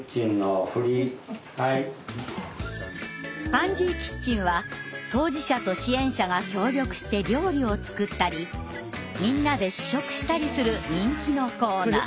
「パンジーキッチン」は当事者と支援者が協力して料理を作ったりみんなで試食したりする人気のコーナー。